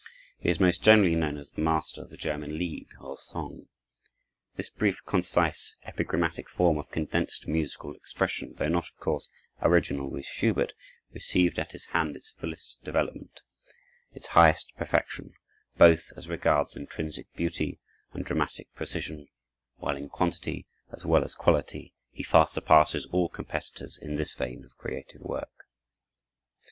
He is most generally known as the master of the German "Lied" or song. This brief, concise, epigrammatic form of condensed musical expression, though not, of course, original with Schubert, received at his hand its fullest development, its highest perfection, both as regards intrinsic beauty and dramatic precision; while in quantity, as well as quality, he far surpasses all competitors in this vein of creative work.